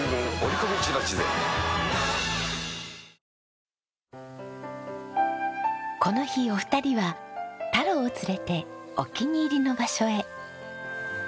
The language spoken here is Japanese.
ニトリこの日お二人はタローを連れてお気に入りの場所へ。